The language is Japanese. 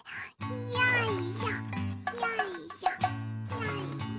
よいしょ。